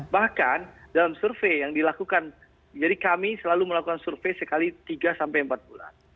bahkan dalam survei yang dilakukan jadi kami selalu melakukan survei sekali tiga sampai empat bulan